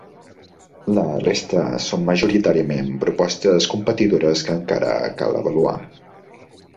La resta són majoritàriament propostes competidores que encara cal avaluar.